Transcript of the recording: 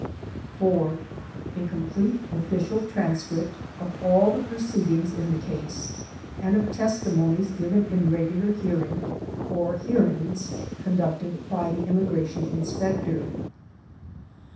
4. A complete official transcript of all the proceedings in the case and of testimonies given in regular hearing, or hear ings, conducted by the Immigration Inspector.